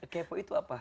kepo itu apa